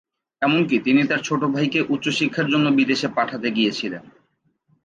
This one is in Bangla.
এমনকি তিনি তার ছোট ভাইকে উচ্চ শিক্ষার জন্য বিদেশে পাঠাতে গিয়েছিলেন।